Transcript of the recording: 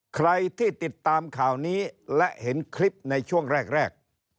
ใครที่ติดตามข่าวนี้และเห็นคลิปในช่วงแรก